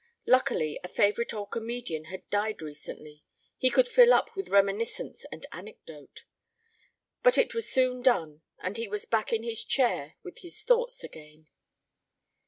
Luckily a favorite old comedian had died recently. He could fill up with reminiscence and anecdote. But it was soon done and he was back in his chair with his thoughts again.